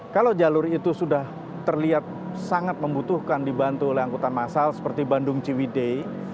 kalau jalur itu sudah terlihat sangat membutuhkan dibantu oleh angkutan massal seperti bandung ciwidei